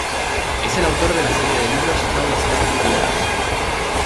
Es el autor de la serie de libros How Stuff Works.